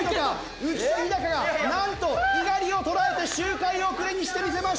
浮所飛貴がなんと猪狩を捉えて周回遅れにしてみせました。